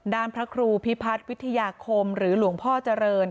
พระครูพิพัฒน์วิทยาคมหรือหลวงพ่อเจริญ